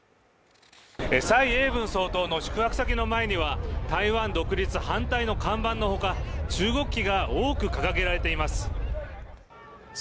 蔡英文総統の宿泊先の前には台湾独立反対の看板のほか中国旗が多く掲げられています。